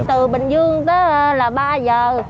từ bình dương tới là ba giờ